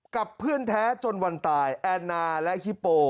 กับเพื่อนแท้จนวันตายแอนนาและฮิโป